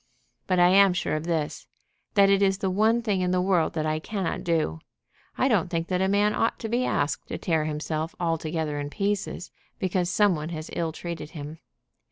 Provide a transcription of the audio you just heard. But I am sure of this, that it is the one thing in the world that I cannot do. I don't think that a man ought to be asked to tear himself altogether in pieces because some one has ill treated him.